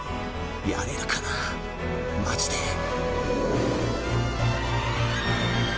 やれるかなマジで。